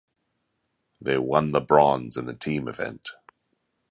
They won the bronze in the team event.